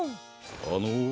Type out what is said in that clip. あの。